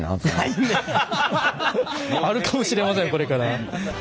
あるかもしれませんこれから。